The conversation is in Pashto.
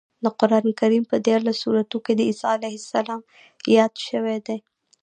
د قرانکریم په دیارلس سورتونو کې عیسی علیه السلام یاد شوی دی.